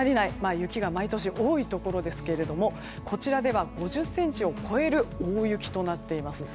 雪が毎年、多いところですがこちらでは５０ｃｍを超える大雪となっています。